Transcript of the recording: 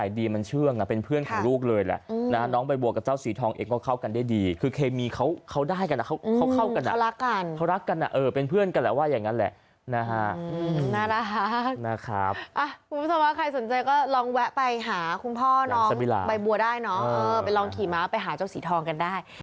อย่างนั้นแหละนะฮะน่ารักนะครับคุณผู้ชมว่าใครสนใจก็ลองแวะไปหาคุณพ่อน้องใบบัวได้เนาะไปลองขี่ม้าไปหาเจ้าสีทองกันได้